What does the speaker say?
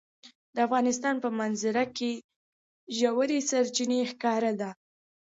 د افغانستان په منظره کې ژورې سرچینې ښکاره ده.